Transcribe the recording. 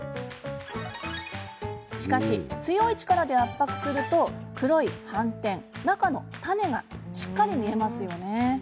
しかし、強い力で圧迫すると黒い斑点、中の種がしっかり見えます。